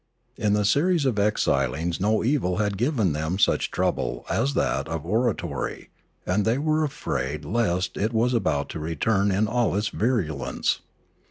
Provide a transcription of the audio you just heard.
In the series of exilings no evil had given them such trouble as that of oratory, and they were afraid lest it was about to return in all its virulence.